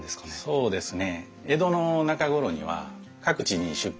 そうですね